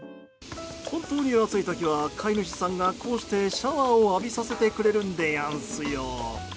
本当に暑い時は、飼い主さんがこうして、シャワーを浴びさせてくれるんでやんすよ。